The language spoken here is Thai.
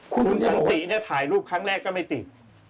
คุณสันติเนี่ยถ่ายรูปครั้งแรกก็ไม่ติด